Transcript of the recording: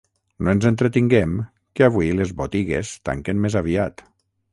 No ens entretinguem, que avui les botigues tanquen més aviat.